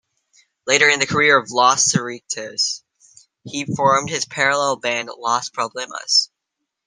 Later in the career of Los Secretos, he formed his parallel band "Los Problemas".